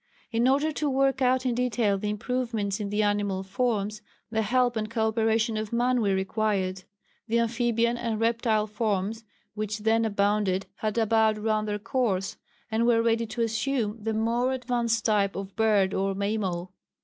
In order to work out in detail the improvements in the animal forms, the help and co operation of man were required. The amphibian and reptile forms which then abounded had about run their course, and were ready to assume the more advanced type of bird or mammal.